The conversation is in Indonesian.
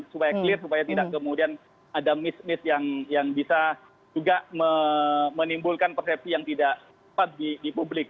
supaya clear supaya tidak kemudian ada miss miss yang bisa juga menimbulkan persepsi yang tidak tepat di publik